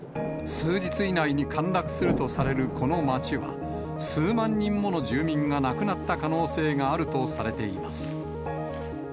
数日以内に陥落するとされるこの街は、数万人もの住民が亡くなった可能性があるとされています。